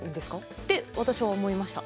って私は思いました。